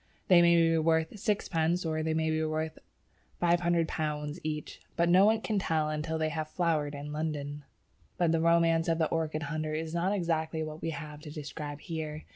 They may be worth sixpence or they may be worth £500 each, but no one can tell until they have flowered in London. But the romance of the orchid hunter is not exactly what we have to describe here.